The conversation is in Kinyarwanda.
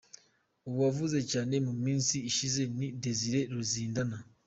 Uwavuzwe cyane mu minsi ishize ni Desire Luzinda.